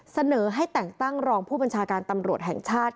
เสนอให้แต่งตั้งรองผู้บัญชาการตำรวจแห่งชาติ